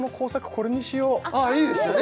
これにしようあっいいですよね